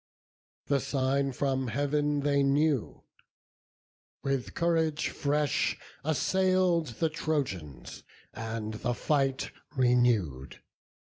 The sign from Heav'n they knew; with courage fresh Assail'd the Trojans, and the fight renew'd.